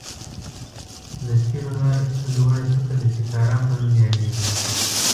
د سپين غر لوړه څکه د سيکارام په نوم ياديږي.